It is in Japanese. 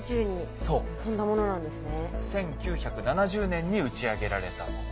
１９７０年に打ち上げられたもの。